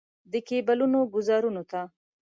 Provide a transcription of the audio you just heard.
د کیبلونو ګوزارونو ته.